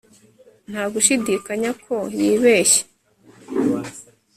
nta gushidikanya ko yibeshye